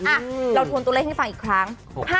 เราทวนตัวเลขให้ฟังอีกครั้ง